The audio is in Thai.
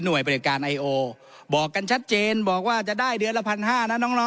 หน่วยประเด็จการไอโอบอกกันชัดเจนบอกว่าจะได้เดือนละ